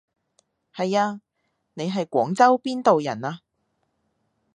係啊，你係廣州邊度人啊？